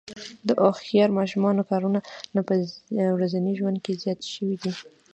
د هوښیار ماشینونو کارونه په ورځني ژوند کې زیات شوي دي.